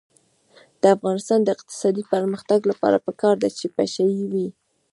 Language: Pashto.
د افغانستان د اقتصادي پرمختګ لپاره پکار ده چې پشه یي وي.